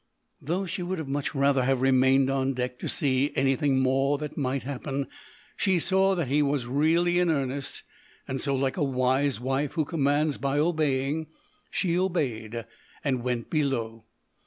Though she would much rather have remained on deck to see anything more that might happen, she saw that he was really in earnest, and so like a wise wife who commands by obeying, she obeyed, and went below.